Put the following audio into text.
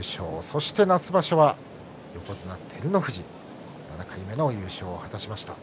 そして夏場所は横綱照ノ富士７回目の優勝を果たしました。